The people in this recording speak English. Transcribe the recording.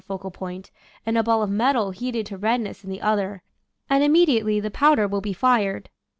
151 focal point and a ball of metal heated to red ness in the other, and immediately the powder will be fired.